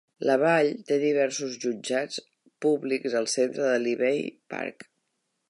La vall té diversos jutjats públics al centre de Libbey Park.